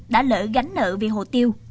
đã lỡ gánh nợ vì hồ tiêu